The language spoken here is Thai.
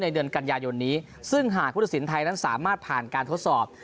เดือนกันยายนนี้ซึ่งหากพุทธศิลปไทยนั้นสามารถผ่านการทดสอบ